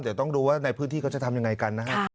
เดี๋ยวต้องดูว่าในพื้นที่เขาจะทำยังไงกันนะฮะ